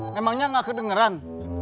memangnya gak kedengeran